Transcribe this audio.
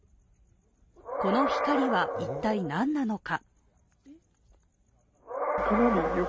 この光は一体何なのか。